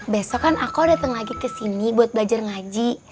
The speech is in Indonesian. besok kan aku datang lagi kesini buat belajar ngaji